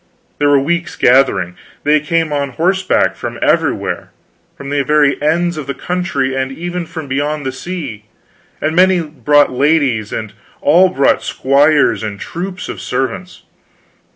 They were weeks gathering. They came on horseback from everywhere; from the very ends of the country, and even from beyond the sea; and many brought ladies, and all brought squires and troops of servants.